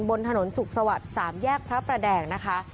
บนถนนสุขสวัสดิ์๓แยกพระประแดงนะคะ